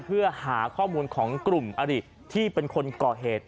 เพื่อหาข้อมูลของกลุ่มอริที่เป็นคนก่อเหตุ